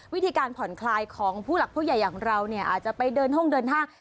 วิธีการผ่อนคลายของผู้หลักผู้ใหญ่อย่างเราเนี่ยอาจจะไปเดินห้องเดินห้าง